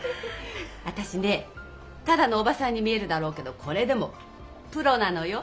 私ねただのおばさんに見えるだろうけどこれでもプロなのよ。